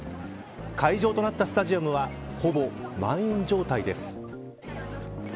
会場となったスタジアムはほぼ満員状態です。